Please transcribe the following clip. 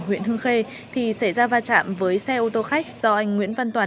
huyện hương khê thì xảy ra va chạm với xe ô tô khách do anh nguyễn văn toàn